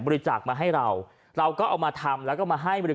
บริจาคมาให้เราเราก็เอามาทำแล้วก็มาให้บริ